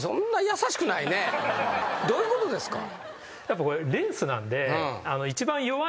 どういうことですか？